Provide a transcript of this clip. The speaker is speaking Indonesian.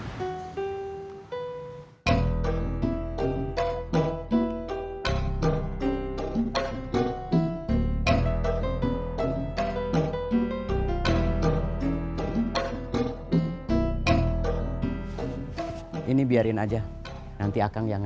jangan lupa subscribe channel ini